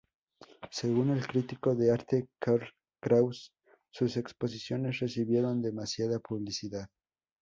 Según el crítico de arte Karl Kraus, "sus exposiciones recibieron demasiada publicidad".